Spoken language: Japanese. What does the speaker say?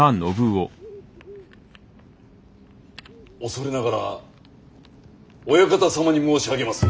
恐れながらオヤカタ様に申し上げます。